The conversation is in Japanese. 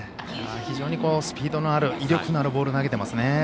非常にスピードのある威力のあるボールを投げてますね。